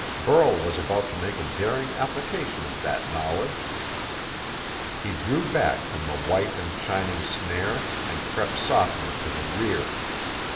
Burl was about to make a daring application of that knowledge. He drew back from the white and shining snare and crept softly to the rear.